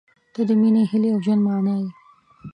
• ته د مینې، هیلې، او ژوند معنی یې.